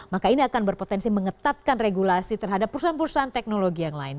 maka ini akan berpotensi mengetatkan regulasi terhadap perusahaan perusahaan teknologi yang lain